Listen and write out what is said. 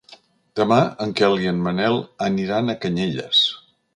Demà en Quel i en Manel aniran a Canyelles.